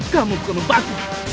kamu bukan membantu